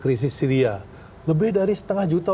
krisis syria lebih dari setengah juta